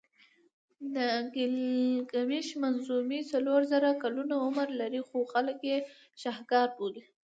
د ګیلګمېش منظومې څلور زره کلونه عمر لري خو خلک یې شهکار بولي.